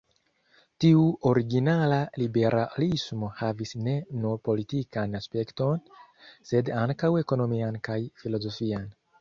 Tiu originala liberalismo havis ne nur politikan aspekton, sed ankaŭ ekonomian kaj filozofian.